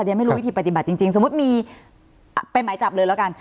เรียนไม่รู้วิธีปฏิบัติจริงสมมุติมีเป็นหมายจับเลยแล้วกัน